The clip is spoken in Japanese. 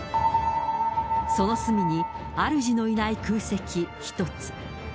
その隅に、主のいない空席１つ。